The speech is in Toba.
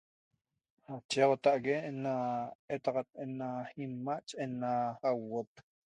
Da sachegoxota'ague na etaxat ena ima' nache ena auot